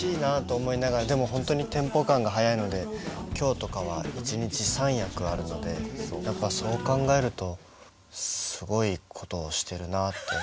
でも本当にテンポ感が速いので今日とかは一日３役あるのでやっぱそう考えるとすごいことをしてるなあって。